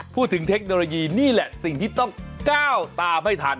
เทคโนโลยีนี่แหละสิ่งที่ต้องก้าวตามให้ทัน